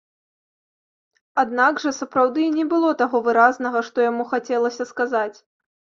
Аднак жа сапраўды і не было таго выразнага, што яму хацелася сказаць.